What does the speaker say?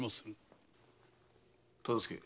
忠相。